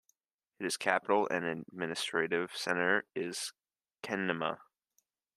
Its capital and administrative centre is Kenema.